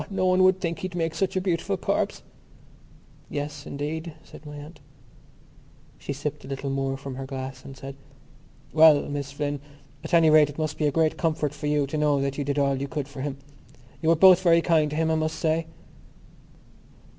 No one would think he'd make such a beautiful corpse." "Yes, indeed," said my aunt. She sipped a little more from her glass and said: "Well, Miss Flynn, at any rate it must be a great comfort for you to know that you did all you could for him. You were both very kind to him, I must say."